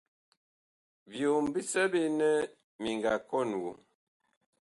Byom bisɛ ɓe nɛ mi nga kɔn woŋ.